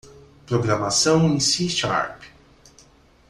Programação em C Sharp.